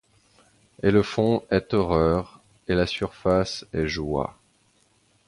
Et le fond est horreur, et la surface est joie.